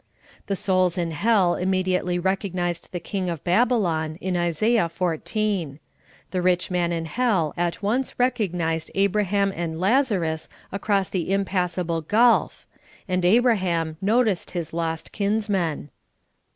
The souls in hell immediately recognized the king of Babylon, in Isaiah 14. The rich man in hell at once rec ognized Abraham and Lazarus across the impassable CONCERNING SOUL SLEEPING. 97 gulf ; and Abraham uoticed his lost kinsmen.